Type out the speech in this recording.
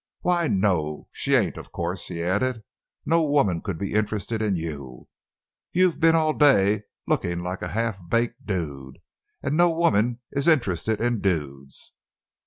"Why, no, she ain't, of course," he added; "no woman could be interested in you. You've been all day looking like a half baked dude—and no woman is interested in dudes!"